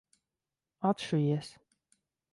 Atšujies!